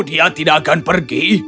dia tidak akan pergi